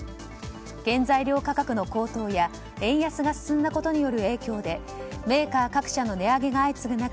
原材料価格の高騰や円安が進んだことによる影響でメーカー各社の値上げが相次ぐ中